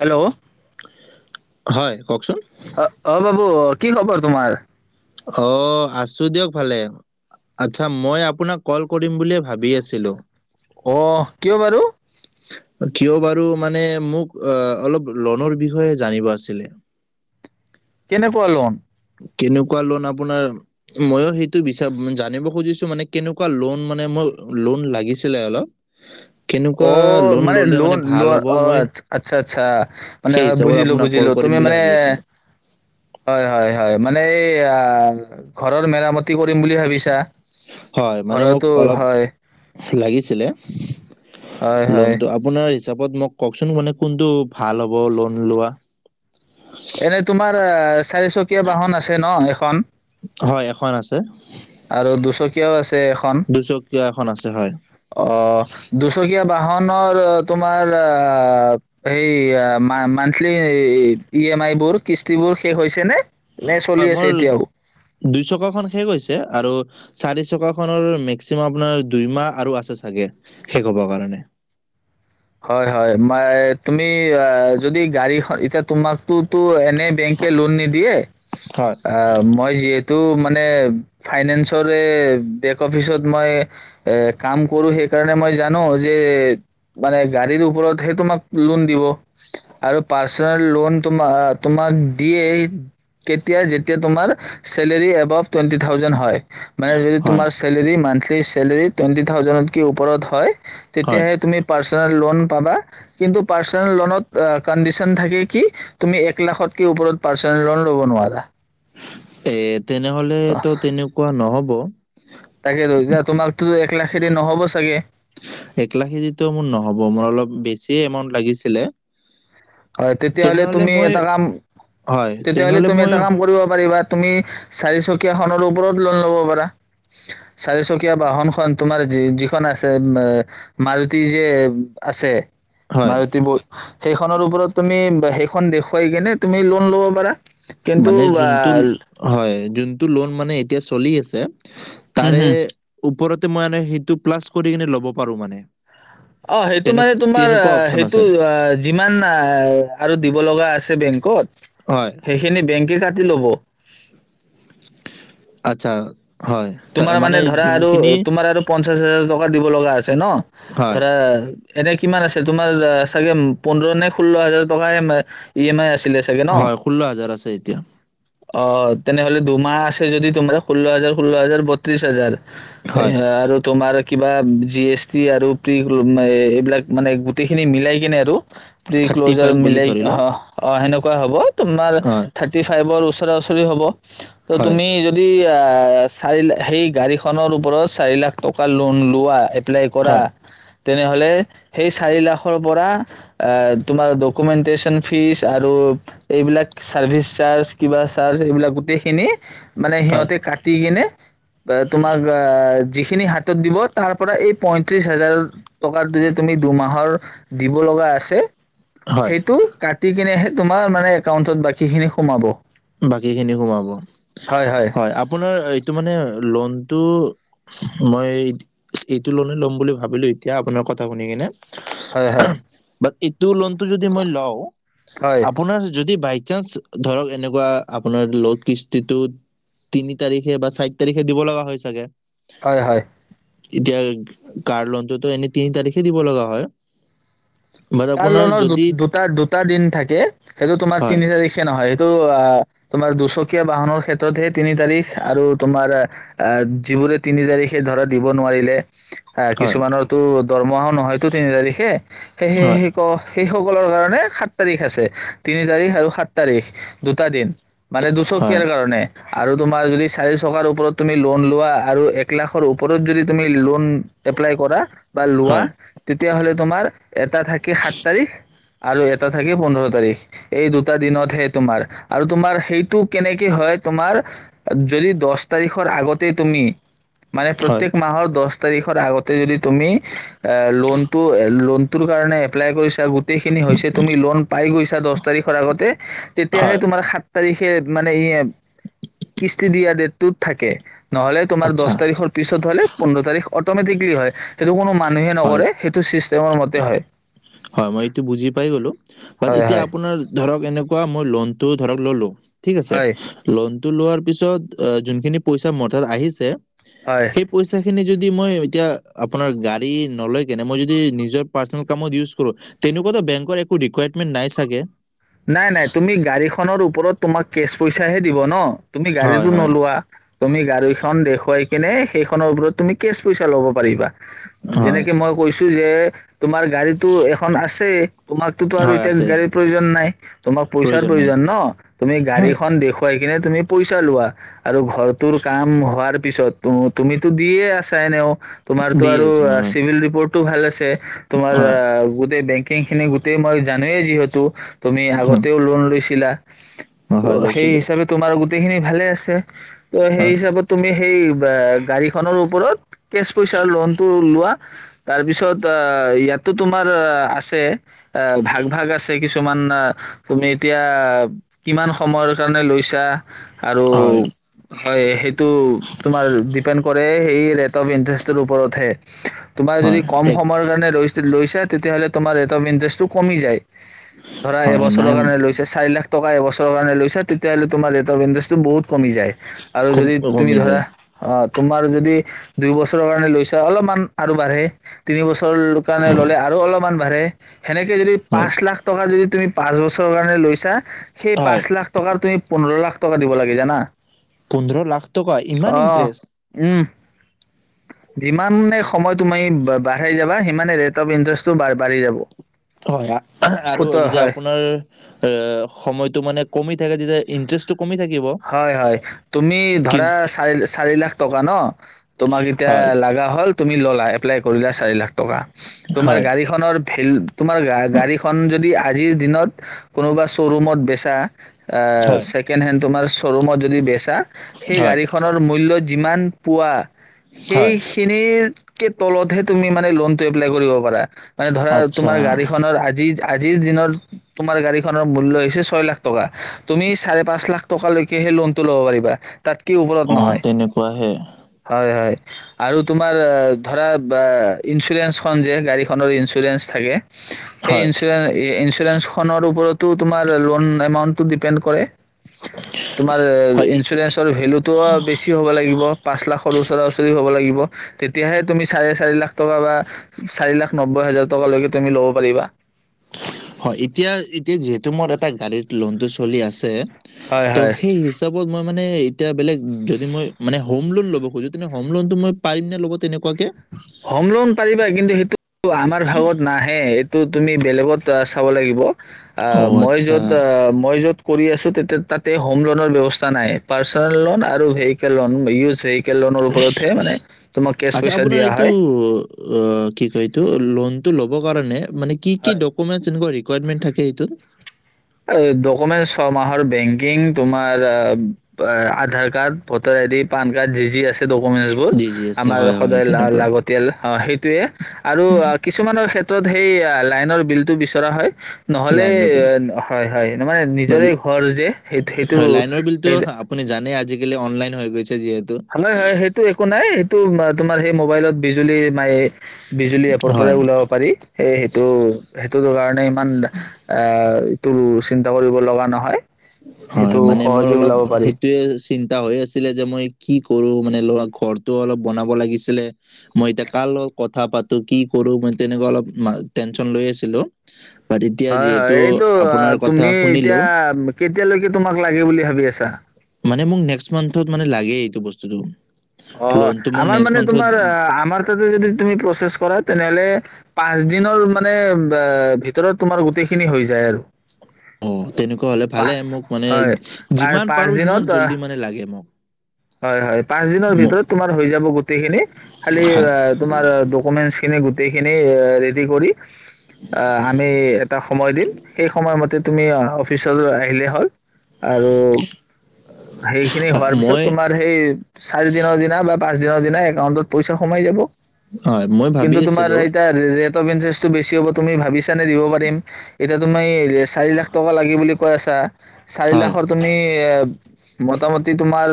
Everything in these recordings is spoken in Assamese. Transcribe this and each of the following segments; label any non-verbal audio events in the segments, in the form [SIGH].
হেল্ল', হয় কওকচোন? অ' অ' বাবু। কি খবৰ তোমাৰ? অ' আছো দিয়ক ভালে আচ্ছা মই আপোনাক কল কৰিম বুলিয়ে ভাবি আছিলো। আহ কিয় বাৰু কিয় বাৰু মানে মোক অলপ লনৰ বিষয়ে জানিব আছিলে। কেনেকুৱা লোন? কেনেকুৱা লোন আপোনাৰ ময়ো সেইটো বিচাৰ জানিব খুজিছো মানে কেনেকুৱা লোন মানে মোৰ লোন লাগিছিলে অলপ। কেনেকুৱা অ' মানে ল'লে লোন ল ভাল হ'ব অ' মই আচ্ছা -আচ্ছা মানে সেই হয় হিচাপত বুজিলো আপোনাক কল -বুজিলো কৰিম তুমি বুলি মানে ভাবি আছিলোঁ। হয় -হয় -হয়। মানে এই আ ঘৰৰ মেৰা মতি। হয় মানে মোক ঘৰতো অলপ হয় লাগিছিলে। হয় হয় লোনটো আপোনাৰ হিচাপত মোক কওকচোন মানে কোনটো ভাল হ'ব লোন লোৱা। এনে তোমাৰ আ' চাৰি চকীয়া বাহন আছে ন এখন। হয়, এখন আছে। আৰু দুচকীয়াও আছে। এখন দুচকীয়া এখন আছে হয়। অ' দুচকীয়া বাহন। হা মাৰ তোমাৰ আ হেই মা মান্থলি ই এম আই বোৰ কিস্তিবোৰ শেষ হৈছে নে? নে চলি হয় আছে মোৰ এতিয়াও? দুইচকাখন শেষ হৈছে আৰু চাৰি চকা খনৰ মেক্সিমাম আপোনাৰ দুইমাহ আৰু আছে চাগে শেষ হব কাৰণে। হয় হয় মই তুমি যদি গাড়ীখন এতিয়া তোমাকতো তো এনে বেংকে লোন নিদিয়ে হয়, আহ মই যিহেতু মানে ফাইনেন্সৰে বেক অফিচত মই এ কাম কৰো সেইকাৰণে মই জানো যে মানে গাড়ীৰ ওপৰতহে তোমাক লোন দিব আৰু পাৰ্চনেল লোন তোমাৰ তোমাক দিয়ে কেতিয়া যেতিয়া তোমাৰ চেলেৰী এবব টুৱেটি থাউজেন্ড হয়। মানে যদি হয়, তোমাৰ চেলাৰী মানথ সেই চেলেৰী টুৱেণ্টি থাউজেণ্ডতকে ওপৰত হয় হয়। তেতিয়াহে তুমি চাৰ লোন পাবা কিন্তু পাৰচেনেল লোনত এ কন্ডিচন থাকে কি তুমি এক লাখতকে ওপৰত পাৰচেনেল লোন লব নোৱাৰা এ ট তেনেহ'লে ত তেনেকুৱা নহ'ব তাকে ৰ যা তোমাকতো এক লাখেদি নহ'ব চাগে ব মোৰ অলপ বেছি এমাউন্ট লাগিছিলে হয় তেতিয়াহ'লে তেনেহলে তুমি মই এটা কাম হয় তেতিয়াহ'লে তেনেহলে তুমি মই এটা কাম কৰিব পাৰিবা তুমি চাৰিচকীয়া খনৰ ওপৰত লোন ল'ব পাৰা চাৰিচকীয়া বাহনখন তোমাৰ যি যিখন আছে উ বা মাৰুতি যে আছে হয় মাৰতি বক সেইখনৰ ওপৰত তুমি সেইখন দেখুৱাই কিনে তুমি লোন ল'ব পাৰা কিন্তু মানে ৱা যোনটো ল্দ হয় যোনটো লোন মানে এতিয়া চলি আছে হম তাৰে হম ওপৰত ত মই মান সেইটো প্লাছ কৰি কিনে ল'ব পাৰো মানে অ সেইটো তেনে মানে তোমাৰ আ তেনেকুৱা অপচন সেইটো আছে আ যিমান আ আৰু দিব লগা আছে বেংকত হয়। সেইখিনি বেংকে যাট কি লব আচ্ছা হয় তা- তোমাৰ মানে ধৰা আৰু যোনখিনি তোমাৰ আৰু পঞ্চ পঞ্চচ হাজাৰ টকা দিব লগা আছে ছে ন হয় ধৰা এনে কিমান আছে তোমাৰ চাগে পোন্ধৰ নে ষোল্ল হাজাৰ টকা M I E M I আছে হয় ষোল্ল হাজাৰ আছে এতিয়া অ তেনেহ'লে দুমাহ আছে যদি তোমাৰ ষোল্ল হাজাৰ ষোল্ল হাজাৰ বত্ৰিশ হাজাৰ হয় আৰু তোমাৰ কিবা জি এছ টি আৰু প্ৰ গ্ৰুপ এইবিলাক মানে গোটেইখিনি মিলাই সেইখিনি আৰু প্ৰে থাৰ্টি ক্লজাৰ ফাইভ বুলি মিলাই ধৰি আ লওক হেনেকোৱা কোৱা হ'ব তোমাৰ হয় থাৰ্টি ফাইভৰ ওচৰা ওচৰি হ'ব ত হয় তুমি যদি পাছ অঅঅঅঅঅ চখ সেই গাড়ীখনৰ ওপৰত চাৰি লাখ টকা লু লোন লোৱা এপ্লাই কৰা হয় তেনেহলে সেই চাৰি লাখৰ পৰা তোমাৰ ডকুমেণ্টেচন ফিজ আৰু এইবিলাক চাৰ্ভিচ চাৰ্জ কিবা চাৰ্জ এইবিলাক গোটেইখিনি মানে হয় সিহঁতে কাটি কিনে বা তোমাক আআআআ যিখিনি হাতত দিব তাৰ পৰা এই পঁয়ত্ৰিশ হাজাৰ উ টকাটো যে তুমি দুমাহৰ দিব লগা আছে হয় সেইটো কাটি কিনেহে তোমাৰ মানে একাউন্টত বাকী খিনি সোমাব বাকী খিনি সোমাব হয় আপোনাৰ এইটো মানে লোন মই এইটো মই এইটো লোনে ল'ম বুলি ভাবিলো এতিয়া আপোনাৰ কথা শুনি কিনে হয় হয় এ লোনটো যদি মই লয় হয় আপোন যদি বাই চান্স ধৰক এনেকুৱা এনেকুৱা আপোনাৰ লোনটোৰ কস্তিটো তিনি তাৰিখে বা চাৰি তাৰিখে দিব লগা হয় চাগে হয় হয় এতিয়া কাৰ লোনটোতো এনে তিনি তাৰিখে দিব লগা হয় বাট কাৰ আপোনাৰ লোনৰ দু যদি দুটা দুটা দিন থাকে সেই তোমাৰ হয় তিনি তাৰিখে নহয় তো অ তোমাৰ দুচকীয়া বাহনৰ ক্ষেত্ৰতহে তিনি তাৰিখ আৰু তোমাৰ আহ যিবোৰে তিনি তাৰিখ সেই ধৰা দিব নোৱাৰিলে আহ হয় কিছুমানৰ তো দৰমহাও নহয়তো তিনি তাৰিখে হয় এইেইক সেই সকলৰ কাৰণে সাত তাৰিখ আছে তিনি তাৰিখ আৰু সাত তাৰিখ দুটা দিন মানে হয় দুচকীয়াৰ কাৰণে আৰু তোমাৰ যদি চাৰিচকাৰ ওপৰত যদি লোন লোৱা আৰু তোমাৰ এলাখৰ ওপৰত যদি লোন লোৱা বা লোৱা হয় তেতিয়াহ'লে তোমাৰ এটা থাকে সাত তাৰিখ আৰু এটা থাকে পোন্ধৰ তাৰিখ এই দুটা দিনতহে তোমাৰ আৰু তোমাৰ সেইটো কেনেকে হয় তোমাৰ যদি দহ তাৰিখৰ আগতে তুমি মানে হয় প্ৰত্যেক মাহৰ দহটা তাৰিখৰ আগতে যদি তুমি লোনটো ল ত কাৰণে এপ্লাই কৰিছিল গোটেই খিনি হৈছে তুমি লোন পাই গৈছা দহ তাৰিখৰ আগতে তেতিয়াহে হয় তোমাৰ তাৰিখে মানে ই কৃষ্টি দিয়া ডটটোত থাকে নহ'লে তোমাৰ দহ আচ্ছা তাৰিখৰ পিছত হ'লে পোন্ধ তাৰিখ ম থ্ৰীি হয় এইটোোন মানুহে হয় নকৰে সেইটো চিষ্টেমৰ মতে হয় হয় মই এইটো বুজি পাই গলো বাট হয় এতিয়া হয় আপোনাৰ ধৰক এনেক কোৱা মোৰ ল'োনটো ধৰক ল'লোঁ ঠিক আছে হয় ল টো লোৱাৰ পিছত যোনখিনি পইচা মঠাত আহিছে হয় সেই পইচা খিনি [UNINTELLIGIBLE] তেনেকুৱো বেংকৰ একো ৰিকয়াৰমেন্ট নাই চাগে নাই নাই তুমি গাড়ীখনৰ ওপৰত তোমাক কেছ পইচাহে দিব ন তুমি হয় গাড়ীতটো হয় নোলোৱা তুমি গাড়ীখন দেখুৱাই কেনে সেইখনৰ ওপৰত তুমি কেচ পইচা ল'ব পাৰিবা হয় যেনেকে মই কৈছো যে যে তোমাৰ গাড়ীতটো এখন আছে তোমাকতোতো আৰু হয় এতিয়া আছে গাড়ীৰ প্ৰয়োজন নাই তোমাক পইচাৰ প্ৰয়োজন ন তুমি হয় গাড়ীখন দেখ কাই কিনে তুমি পইচা লোৱা আৰু ঘৰটোৰ কাম হোৱাৰ পিছত তুমিতো দিয়ে আছা এনেও তোমাৰতো দি আৰু আছো মই হয় চিভিল ৰিপৰ্ট টো ভাল আছে তোমাৰ হয় আহ গোটেই বেংকিং খিনি গোটেই মই জানোৱেই যিহেতু আমি হুম, আগতেও লোন ল পছিললা ত হয় সেই লৈছিলো হিচাপে তোমাৰ গো গোটেইখিনি ভালে আছে ত' সেই হয় হিচাপত তুমি সেই গাড়ীখনৰ ওপৰত কে পইচাৰ লটো লোৱা তাৰপিছত ইয়াতো তোমাৰ আছে ভাগ ভ আছে কিছুমান তুমি এতিয়া কিমান সময়ৰ কাৰণে লৈছা আৰু হয় হয় সেইটো তোমাৰ ডিপেণ্ড কৰে সেই ৰেট অফ ইন্টাৰেষ্টৰ ওপৰতহে তোমাৰ যদি হয় কম এক সময়ৰ কাৰণে লৈছে লৈছে তেতিয়াহ'লে তোমাৰ ৰেট অফ ইন্টাৰেষ্টটো কমি যায় ধৰা হয় এবছৰৰ নাই কাৰণে লৈছে চি লাখ ট এবছৰ কাৰে লৈছে তেতিাহ'লে তোম ৰেট অফ ইন্টাৰেষ্ট বহুত কমি যায় আৰু কম যদি তুমি কমি ধৰা যায় তোমাৰ যদি দুইবছৰৰ কাৰণে লৈছা অলপমান আৰু বাঢ়ে তিন বছৰ কাৰণে ল'লে আৰু অলপমান পাৰে সেনেকে যদি হয় পাঁচ লাখ টকা যদি পাঁচ বছৰৰ কাৰণে লৈছা সেই হয় পাঁচ লাখ টকাৰ তুমি পোন্ধৰ লাখ টকা দিব লাগে জানা পোন্ধৰ লাখ টকা ইমান অ ইণ্টাৰেষ্ট একু যিমানে সময় তুমি বাঢ়াই যাবা সিমানে ৰেট অফ ইন্টাৰেষ্টটো বাঢ়ি যাব হয় আৰু সুত যদি হয় আপোনাৰ এ সময়তটো মানে কমি থাকে তেতিয়া ইণ্টাৰেেষ্টটো হয় হয় তুমি কিন ধৰা চ চাৰি লাখ টকা ন তোমাক এতিয়া হয় লগা হ'ল তুমি ল'া এপ্ল কৰিলা চাৰি লাখ টকা তোমাৰ হয় গাড়ীখনৰ তোমাৰ গা গাড়ী খন যদি আজিৰ দিনত কোনোবা শ্ব'ৰুমত বেচা হয় ছেকেণ্ড হেণ্ড তোমাৰ চো- ত ৰোমত যদি বেচা সেই হয় গাড়ীখনৰ মূল্যই য- যিমান পোৱা হয় সেইখিনিৰ কে তলতহে তুমি মানে লোন টো এপ্লাই কৰিব পাৰা মানে ধৰা আচ্ছা তোমাৰ গাড়ী খনৰ আজি জা - আজিৰ দিনৰত তোমাৰ গাড়ীখনৰ মূল্য হৈছে ছয় লাখ টকা তুমি চাৰে পাঁচ লাখ টকা লৈকে সেই লোনটো ল'ব পাৰিবা তাত কি ওপৰত অ নহয় তেনেকুৱাহে হয় হয় আৰু তোমাৰ ধৰা বা ইঞ্চুৰেঞ্চ খন যে গাড়ীখনৰ ইঞ্চুৰেঞ্চ থাকে সেই হয় ইঞ্চুৰে ইঞ্চুৰেঞ্চ খনৰ ওপৰত তো তোমাৰ লোন এমাউণ্ট টো ডিপেণ্ড কৰে তোমাৰ হয় ই- ইঞ্চুৰেঞ্চৰ ভেলুটো বেছি হ'ব লাগিব পাঁচ লাখৰ ওচৰা ওচৰি হ'ব লাগিব তেতিয়াহে তুমি চাৰে চাৰি লাখ টকা বা চাৰিলাখ নব্বৈ হাজাৰ টকা লৈকে তুমি লব পাৰিবা হয় এতিয়া এতিয়া যিহেতু মোৰ এটা গাড়ীত লোনটো চলি আছে হয় ত হয় সেই হিচাপত মই মানে এতিয়া বেলেগ যদি মই মানে হম লোন ল'ব খোজো তেনে মই পাৰিম নে লব তেনে- হম লোন পাৰিবা কিন্তু সেইটো আমাৰ ভাগত নাহে এইটো তুমি বেলেগত চাব লাগিব আ অ' মই আচ্ছা। য'ত আ মই য'ত কৰি আছো তেতিয়া তাতে হোম লনৰ ব্যৱস্থা নাই পাৰ্চনেল লোন আৰু [UNINTELLIGIBLE] ভেল ল তেইকে লোনৰ ওপৰত হে মানে তোমা কেচ আপোনাৰ এইটো অ কি কয় এইটো লোনটো ল'বৰ কাৰণে মানে কি কি হয় ডকুমেণ্ট এনেকুৱা ৰি এপইণ্টমেণ্ট থাকে এইটোত ডকুমেন্ ছয়মাহৰ বেংকিং তোমাৰ আ Aadhaar card voter ID PAN card যি যি আছে ডকোমেচ বোৰ জি জি এছ আমাৰ হয় হয় সদায় লা তেনেকুৱা লাগতিয়াল হ সেইটোৱে আৰু কিছুমানৰ ক্ষে- ত সেই লাইনৰ বিল টো বিচৰা হয় নহলে লাইনৰ বিল এ হয় মানে বা নিজৰে ঘৰ যে সেই সেইটো হয় লাইনৰ বিলটো সেই আপুনি জানে আজিকালি অনলাইন হৈ গৈছে যিহেতু। আমাৰ সেইটো একো নাই তো তোমাৰ সেই মোবাইলত বিজুলী মায়ে বিজুলী এপৰ হয় পৰাই ওলাব পাৰি সেই সেইটো সেইটো কাৰণে ইমান আঁহ তোৰ চিন্তা কৰিব লগা নহয় সেইটো হয় মানে মোৰ সহজে অলপ ওলাব পাৰি। সেইটোয়ে চিন্তা হৈ আছিলে যে মই কি কৰো মানে লৰা ঘৰটো অলপ বনাব লাগিছিলে মই এতিয়া কাৰ লগত কথা পাতো কি কৰো মই তেনেকুৱা অলপ টেনচন লৈ আছিলো বাট এতিয়া হয় হয় যিহেতু এইটো আপোনাৰ কথা তুমি শুনিলো এতিয়া এতিয়ালৈকে তোমাক লাগে বুলি ভাবি আছা মানে মোক নেক্সট মান্থত মানে লাগে এইটো বস্তুটো অঁ লোনটো মোক আমাৰ নেক্সট মানে মান্থত তোমাৰ আমাৰ তাতে যদি তুমি প্ৰচেছ কৰা তেনেহলে পাঁচ দিনৰ মানে ভিতৰত তোমাৰ গোটেইখিনি হৈ যায় আৰু অঁ তেনেকুৱা হ'লে পাহ ভালে মোক মানে হয়। পাঁচ যিমান পাঁচ পাৰো দিনত সিমান আহ জল্দি মানে লাগে মোক হয় হয় পাচ দিনৰ ম- ভিতৰত তোমাৰ হৈ যাব গোটেইখিনি খালি হয় তোমাৰ এইেই খিনি ৰেডি কৰি অঁ আমি এটা সময় দিম সেই সময়মতে তুমি অফিচলৈ আহিলেই হ'ল আৰু সেইখিনি হয়, হোৱাৰ পিছত মই তোমাৰ সেই চাৰি দিনৰ দিনা বা পাঁচ দিনৰ দিনা একাউণ্টত পইচা সোমাই যাব হয় মই কিন্তু ভাবি তোমাৰ আছিলো এই তাৰ প ইন্টাৰেষ্টটো বেছি হ'ব তুমি ভাবিছানে দিব পাৰিম এতিয়া তুমি চাৰি লাখ টকা লাগে বুলি কৈ আছা চাৰি হয় লাখৰ তুমি মোটামটি তোমাৰ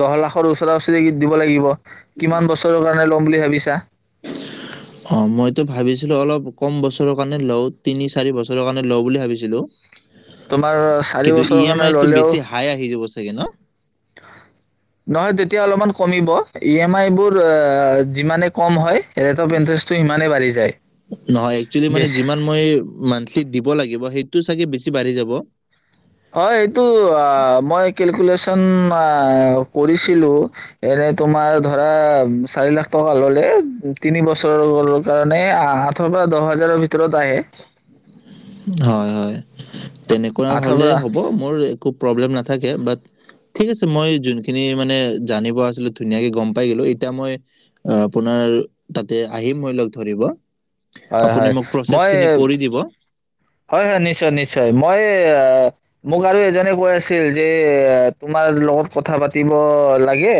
দহ লাখৰ ওচৰা ওচৰি গীত দিব লাগিব কি বছৰৰ কাৰ বুলি ভাবিছা অঁ মইতো ভাবিছিলো অলপ কম বছৰৰ কাৰণে লওঁ তিনি চাৰি বছৰৰ কাৰণে লওঁ বুলি ভাবিছিলো তোমাৰ চাৰি কিন্তু ই বছৰৰ এম কাৰণে আইটো ললেও বেছি হাই আহি যাব চাগে ন নহয় তেতিয়া এতিয়া অলপমান কমিব ই এম আই বোৰ যিমানে কম হয় ৰেট অফ ইণ্টাৰেষ্টটো সিমানেই বাঢ়ি যায় নহয় একচোলি মানে বেছি যিমান মই মানথিলি দিব লাগিব সেইটো চাগে বেছি বাঢ়ি যাব হয় সটো মইে কেলকোলেচন অঁ কৰিছিলো এনে তোমাৰ ধৰা চাৰি লাখ টকা ললে তিনি বছৰ কাৰণে আঠৰ পৰা দহ হাজাৰৰ ভিতৰত আহে হয় হয় তেনেকুৱা ৰ হ'লে পৰা হ'ব মোৰ একো [UNINTELLIGIBLE] হয় আপুনি হয় মোক মই প্ৰচেছখিনি কৰি দিব হয় হয় নিশ্চয় নিশ্চয় মই মোক আৰু এজনে কৈ আছিল যে তোমাৰ লগত কথা পাতিব লাগে।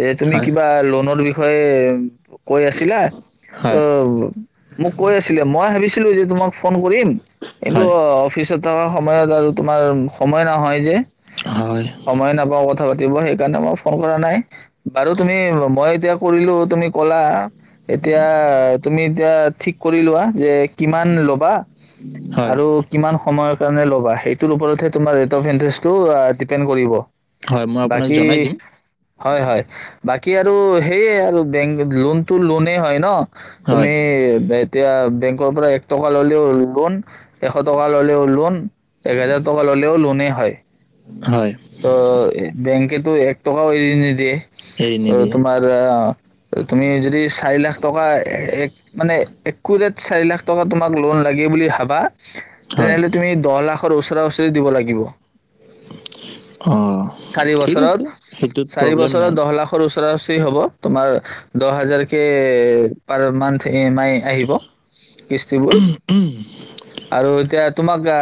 এ তুমি হয় কিবা লোনৰ বিষয়ে হয় উ। কৈ আছিলা অ হয় মোক কৈ আছিলে মই ভাবিছিলো যে তোমাক ফোন কৰিম। কিন্তু হয় অফি পিছত থকা সময়ত আৰু তোমাৰ সময় নহয় যে। হয় সময় নাপাওঁ। কথা পাতিব সেইকাৰণে মই ফোন কৰা নাই বাৰু তুমি মই এতিয়া কৰিলো তুমি ক'লা এতিয়া তুমি এতিয়া ঠিক কৰিলোৱা যে। কিমান লবা? হয় আৰু কিমান সময়ত কাৰণে লবা সেইটোৰ ওপৰতহে তোমাৰ [UNINTELLIGIBLE] ডিপেণ্ড কৰিব। হয় মই আপোনাক বাকী জনাই দিম হয় হয়। বাকী আৰু সেয়ে আৰু বেংক লোনটো লোনে হয় ন। হয় তুমি [UNINTELLIGIBLE] এতিয়া বেংকৰ পৰা এক টকা ল'লেও লোন। এশ টকা ল'লেও লোন হয় অ' বেংকেতো এক টকাও এৰি নিদিয়ে এৰি ত নিদিয়ে তোমাৰ আহ তুমি যদি চাৰি লাখ টকা এক মানে একুৰেট চাৰি লাখ টকা তোমাক লোন লাগে বুলি ভাবা হয় তেনেহলে তুমি দহ লাখ। ওচৰা ওচৰি দিব লাগিব। অ চাৰি ঠিক বছৰত আছে সেইটোত প্ৰব্লেম নাই। হ তোমাৰ দহ হাজাৰ কে পাৰ মান্ঠ। ই এম আই আহিব কিস্তিবোৰ নাই আৰু এতিয়া তোমাক